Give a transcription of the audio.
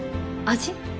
味？